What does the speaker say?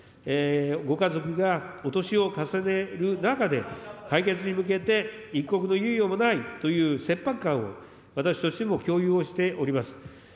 ご家族がお年を重ねる中で、解決に向けて一刻の猶予もないという切迫感を、私としても共有をしております。